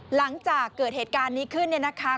หลังจากเกิดเหตุการณ์นี้ขึ้นเนี่ยนะคะ